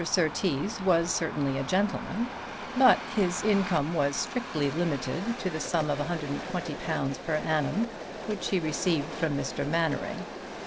Surtees was certainly a gentleman, but his income was strictly limited to the sum of £120 per annum which he received from Mr. Mainwaring.